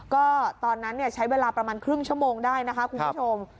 ก็ตอนนั้นใช้เวลาประมาณครึ่งชั่วโมงได้นะคะคุณผู้ชม